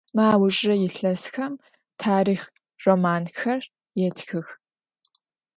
Mı aujjıre yilhesxem tarixh romanxer yêtxıx.